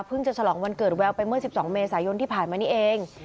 จะฉลองวันเกิดแววไปเมื่อ๑๒เมษายนที่ผ่านมานี้เอง